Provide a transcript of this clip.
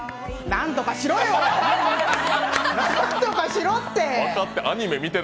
なんとかしろって！